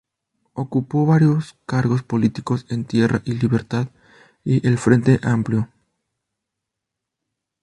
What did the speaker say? Ocupó varios cargo políticos en Tierra y Libertad y el Frente Amplio.